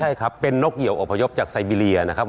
ใช่ครับเป็นนกเหี่ยวอบพยพจากไซเบียนะครับ